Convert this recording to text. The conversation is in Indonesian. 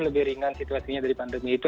lebih ringan situasinya dari pandemi itu